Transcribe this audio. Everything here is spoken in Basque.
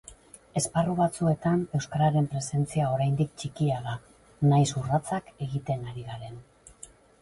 Esparru batzuetan euskararen presentzia oraindik txikia da, nahiz urratsak egiten ari garen.